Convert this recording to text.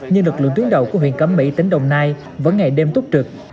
nhưng lực lượng tuyến đầu của huyện cấm mỹ tính đồng nai vẫn ngày đêm tốt trực